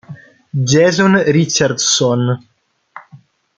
Jason Richardson